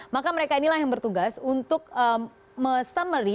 maka mereka inilah yang bertugas untuk summary